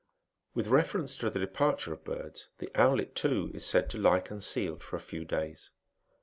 With reference to the departure of birds, the owlet, too, is said to lie concealed for a few days.